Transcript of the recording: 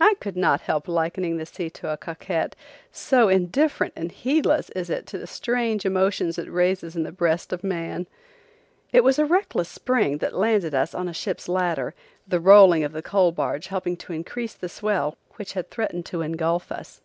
I could not help liking the sea to a coquette, so indifferent and heedless is it to the strange emotions it raises in the breast of man. It was a reckless spring that landed us on the ship's ladder, the rolling of the coal barge helping to increase the swell which had threatened to engulf us.